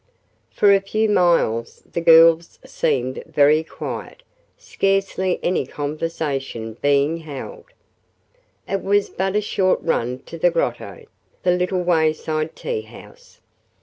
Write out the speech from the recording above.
For a few miles the girls seemed very quiet, scarcely any conversation being held. It was but a short run to the Grotto, the little wayside tea house.